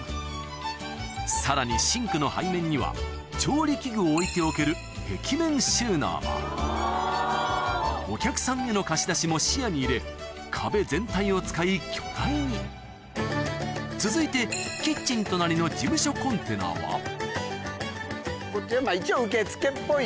さらにシンクの背面には調理器具を置いておけるお客さんへの貸し出しも視野に入れ壁全体を使い巨大に続いてキッチン隣のこっちはまぁ一応受付っぽい。